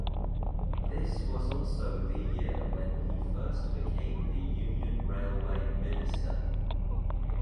This was also the year when he first became the Union Railway Minister.